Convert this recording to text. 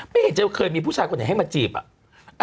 ไม่เห็นจะเคยมีผู้ชายคนไหนให้มาจีบอ่ะ